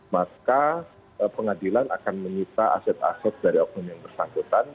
maka pengadilan akan menyita aset aset dari oknum yang bersangkutan